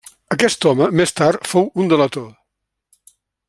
Aquest home, més tard, fou un delator.